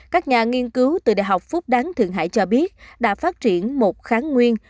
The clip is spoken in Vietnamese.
các nhà nghiên cứu từ đại học phúc đáng thượng hải cho biết đã phát triển một kháng nguyên